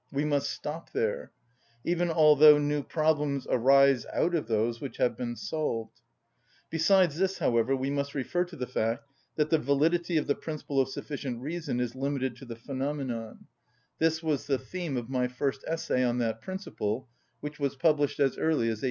We must stop there; even although new problems arise out of those which have been solved. Besides this, however, we must refer to the fact that the validity of the principle of sufficient reason is limited to the phenomenon; this was the theme of my first essay on that principle, which was published as early as 1813.